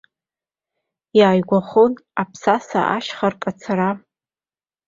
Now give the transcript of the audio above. Иааигәахон аԥсаса ашьха ркацара.